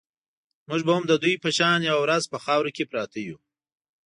موږ به هم د دوی په شان یوه ورځ په خاورو کې پراته یو.